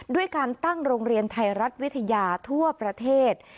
ด้วยการตั้งโรงเรียนไทยรัฐวิทยาทั่วประเทศ